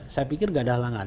saya pikir tidak ada halangan